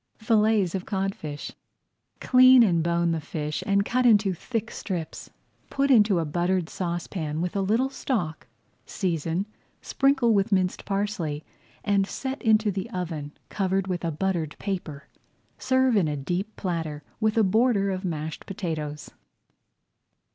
FILLETS OF CODFISH Clean and bone the fish and cut into thick strips. Put into a buttered saucepan with a little stock, season, sprinkle with minced parsley, and set into the oven, covered with a buttered paper. Serve in a deep platter with a border of mashed potatoes.